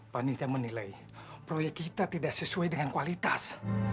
panitia menilai proyek kita tidak sesuai dengan kualitas